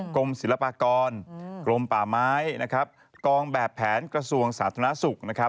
กรมศิลปากรกรมป่าไม้กองแบบแผนกระทรวงสาธารณสุข